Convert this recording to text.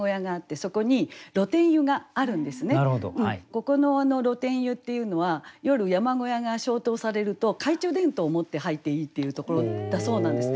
ここの露天湯っていうのは夜山小屋が消灯されると懐中電灯を持って入っていいっていうところだそうなんです。